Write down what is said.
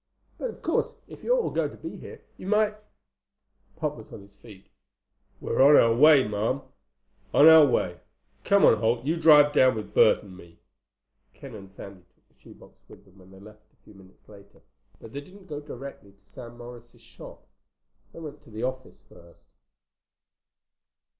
But of course if you're all going to be here, you might—" Pop was on his feet. "We're on our way, ma'am. On our way. Come on, Holt, you drive down with Bert and me." Ken and Sandy took the shoe box with them when they left a few minutes later, but they didn't go directly to Sam Morris's shop. They went to the office first.